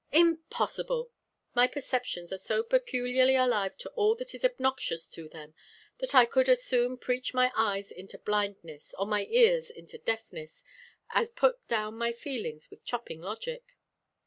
"Impossible! my perceptions are so peculiarly alive to all that is obnoxious to them that I could as soon preach my eyes into blindness, or my ears into deafness, as put down my feelings with chopping logic.